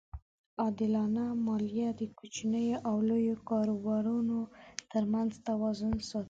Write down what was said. عادلانه مالیه د کوچنیو او لویو کاروبارونو ترمنځ توازن ساتي.